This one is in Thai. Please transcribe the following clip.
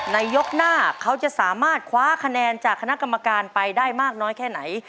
ยกหน้าเขาจะสามารถคว้าคะแนนจากคณะกรรมการไปได้มากน้อยแค่ไหน